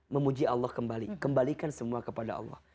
memuji allah kembali kembalikan semua kepada allah